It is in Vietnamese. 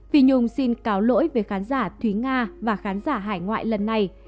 vi nhung xin cáo lỗi về khán giả thúy nga và khán giả hải ngoại lần này